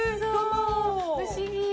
不思議！